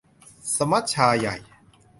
สมัชชาใหญ่